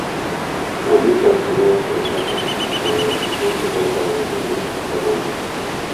Ганнуся кинулася жадібно на білет, майже вирвала його з рук старої.